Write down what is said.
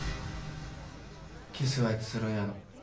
キスはいつするんやろ。